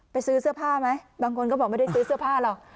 ซื้อเสื้อผ้าไหมบางคนก็บอกไม่ได้ซื้อเสื้อผ้าหรอก